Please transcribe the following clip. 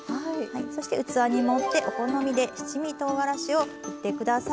そして器に盛ってお好みで七味とうがらしをふって下さい。